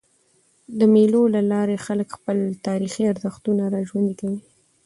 د مېلو له لاري خلک خپل تاریخي ارزښتونه راژوندي کوي.